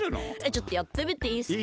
ちょっとやってみていいっすか？